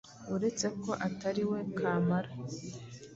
Uretse ko atariwe kamara